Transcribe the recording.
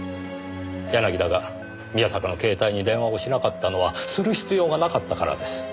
柳田が宮坂の携帯に電話をしなかったのはする必要がなかったからです。